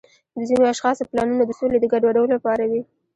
د ځینو اشخاصو پلانونه د سولې د ګډوډولو لپاره وي.